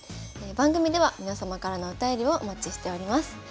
番組では皆様からのお便りをお待ちしております。